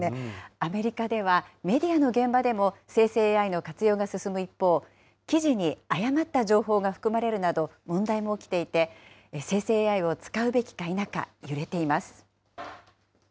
アメリカではメディアの現場でも生成ＡＩの活用が進む一方、記事に誤った情報が含まれるなど問題も起きていて、生成ＡＩを使うべきか否か、揺れています。